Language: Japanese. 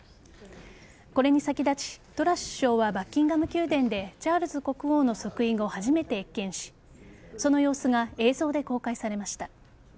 これに先立ちトラス首相はバッキンガム宮殿でチャールズ国王の即位後初めて謁見しその様子が映像で公開されました。